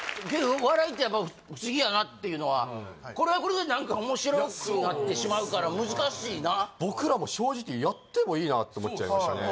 笑いってやっぱ不思議やなっていうのはこれはこれで何か面白くなってしまうから難しいな僕らも正直やってもいいなって思っちゃいましたね